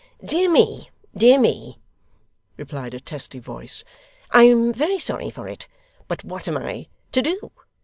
'Dear me, dear me,' replied a testy voice, 'I am very sorry for it, but what am I to do?